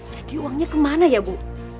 jadi uangnya kemana ya bu